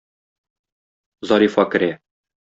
Зарифа керә.